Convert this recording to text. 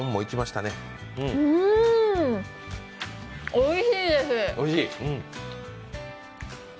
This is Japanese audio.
おいしいです。